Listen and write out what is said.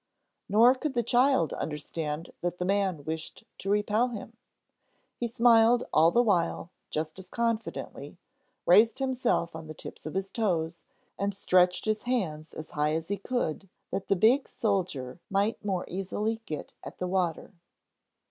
Nor could the child understand that the man wished to repel him. He smiled all the while just as confidently, raised himself on the tips of his toes, and stretched his hands as high as he could that the big soldier might more easily get at the water.